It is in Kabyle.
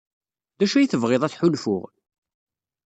D acu ay tebɣid ad t-ḥulfuɣ?